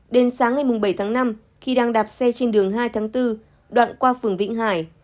đến sáng ngày bảy tháng năm khi đang đạp xe trên đường hai tháng bốn đoạn qua phường vĩnh hải